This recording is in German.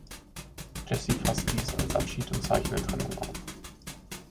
Jessie fasst dies als Abschied und Zeichen der Trennung auf.